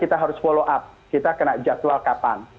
kita kena jadwal kapan